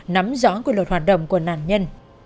nắm rõ quy luật hoạt động của nạn nhân